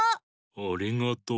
ありがとう。